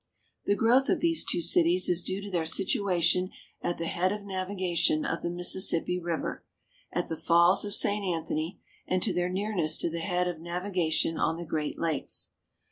The growth of these two cities is due to their situation at the head of navigation of the Mississippi River, at the Falls of St. Anthony, and to their nearness to the head of navigation on the Great Lakes.